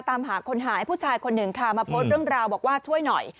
ตามหาคนหายผู้ชายคนหนึ่งค่ะมาโพสต์เรื่องราวบอกว่าช่วยหน่อย